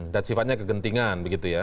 dan sifatnya kegentingan begitu ya